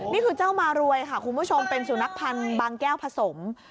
นี่คือเจ้ามารวยค่ะคุณผู้ชมเป็นสุนัขพันธ์บางแก้วผสม